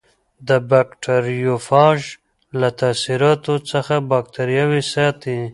د بکټریوفاژ له تاثیراتو څخه باکتریاوې ساتي.